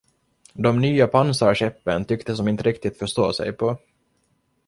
De nya pansarskeppen tycktes de inte riktigt förstå sig på.